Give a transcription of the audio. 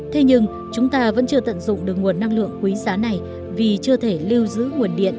thế nhưng chúng ta vẫn chưa tận dụng được nguồn năng lượng quý giá này vì chưa thể lưu giữ nguồn điện